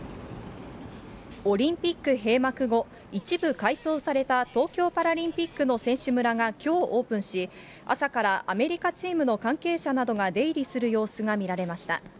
オリンピック閉幕後、一部改装された東京パラリンピックの選手村がきょうオープンし、朝からアメリカチームの関係者などが出入りする様子が見られました。